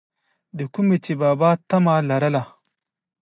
دَکومې چې بابا طمع لرله،